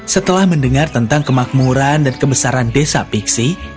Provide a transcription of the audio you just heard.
setelah mendengar tentang kemakmuran dan kebesaran desa piksi